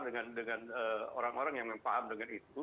dengan orang orang yang memang paham dengan itu